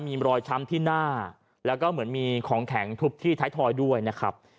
มีรอยช้ำที่หน้าแล้วก็เหมือนมีของแข็งทุบที่ท้ายทอยด้วยนะครับ